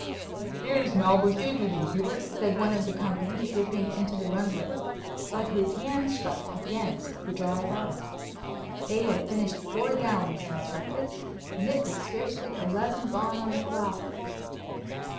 "Here's Malvoisie for thee, Hubert," said one of the company, dipping into the rundlet. But his hand struck against the dry bottom. They had finished four gallons since breakfast, and it was scarcely eleven gone on the clock!